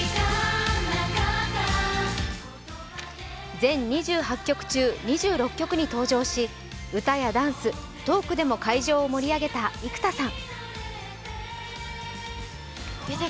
全２８曲中２６曲に登場し、歌やダンス、トークでも会場を盛り上げた生田さん。